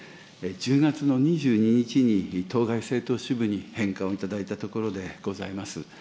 １０月の２２日に当該政党支部に返還をいただいたところでございます。